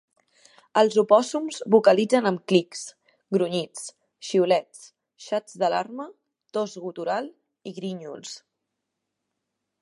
Els opòssums vocalitzen amb clics, grunyits, xiulets, xats d'alarma, tos gutural i grinyols.